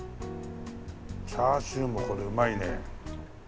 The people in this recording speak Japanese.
チャーシューもこれうまいね。